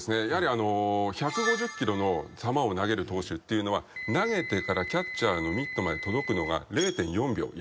やはりあの１５０キロの球を投げる投手は投げてからキャッチャーのミットまで届くのが０．４秒。